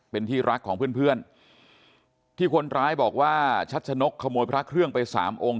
เป็นที่รักของเพื่อนเพื่อนที่คนร้ายบอกว่าชัชนกขโมยพระเครื่องไปสามองค์